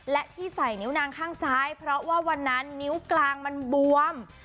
และที่ใส่นิ้วนางข้างซ้ายเพราะว่าวันนั้นนิ้วกลางมันบวม